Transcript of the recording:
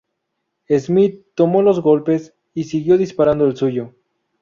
Smith tomó los golpes, y siguió disparando el suyo.